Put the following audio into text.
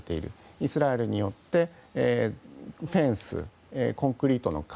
イスラエルによってフェンス、コンクリートの壁